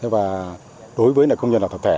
và đối với công nhân tập thể